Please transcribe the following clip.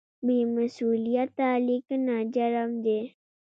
بې مسؤلیته لیکنه جرم دی.